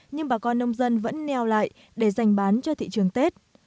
nhưng bà con nông dân vẫn neo lại để dành bán cho thị trường tết